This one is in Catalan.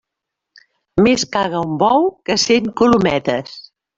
Més caga un bou, que cent colometes.